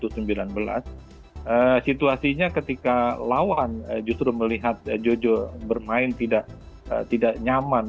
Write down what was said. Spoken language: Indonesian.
situasinya ketika lawan justru melihat jojo bermain tidak nyaman